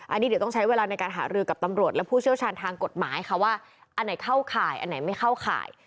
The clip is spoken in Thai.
อันนี้เดี๋ยวต้องใช้เวลาในการหารือกับตำรวจและผู้เชี่ยวชาญทางกฎหมายค่ะว่าอันไหนเข้าข่ายอันไหนไม่เข้าข่าย